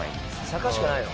坂しかないの？